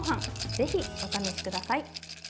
ぜひ、お試しください。